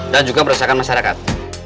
dan juga merasakan masyarakat